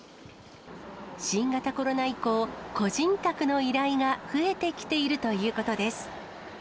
新型コロナ以降、個人宅の依頼が増えてきているということです。